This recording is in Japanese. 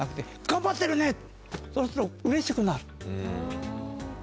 そうするとうれしくなる。